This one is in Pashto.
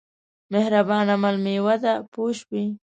مهربان عمل مېوه ده پوه شوې!.